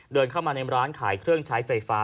เดินเข้ามาในร้านขายเครื่องใช้ไฟฟ้า